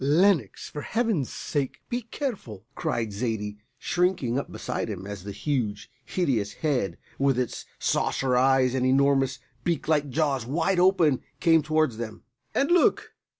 "Lenox, for Heaven's sake be careful!" cried Zaidie, shrinking up beside him as the huge, hideous head, with its saucer eyes and enormous beak like jaws wide open, came towards them. "And look!